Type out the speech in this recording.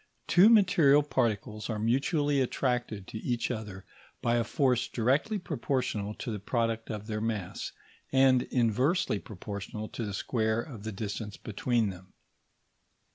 Two material particles are mutually attracted to each other by a force directly proportional to the product of their mass, and inversely proportional to the square of the distance between them.